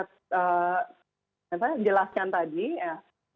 apa jelaskan tadi ya